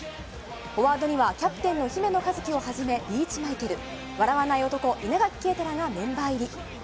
フォワードにはキャプテンの姫野和樹をはじめリーチ・マイケル、笑わない男・稲垣啓太らがメンバー入り。